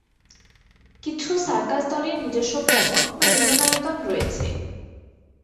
কিছু সার্কাস দলের নিজস্ব ভবন বা মিলনায়তন রয়েছে।